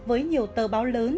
với nhiều tờ báo lớn